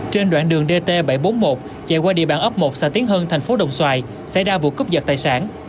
trên đoạn đường dt bảy trăm bốn mươi một chạy qua địa bàn ấp một xã tiến hân tp đồng xoài xảy ra vụ cướp giật tài sản